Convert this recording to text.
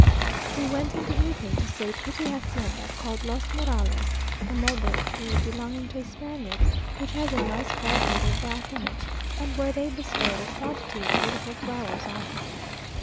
We went in the evening to see a pretty hacienda called Los Morales (the mulberry tree) belonging to a Spaniard, which has a nice garden with a bath in it, and where they bestowed a quantity of beautiful flowers on us.